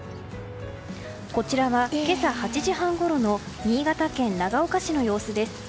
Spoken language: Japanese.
こちらは今朝８時半ごろの新潟県長岡市の様子です。